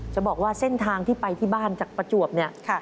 จะบอกว่าเส้นทางที่ไปที่บ้านจากประจวบเนี่ย